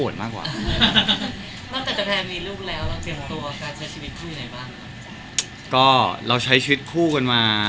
ตามใจหรือกลัว